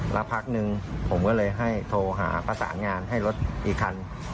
แล้วพักนึงผมก็เลยโทรหาภาษางานให้รถอีกคัน